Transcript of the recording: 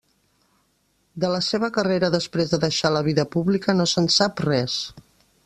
De la seva carrera després de deixar la vida pública no se'n sap res.